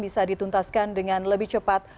kita jelaskan dengan lebih cepat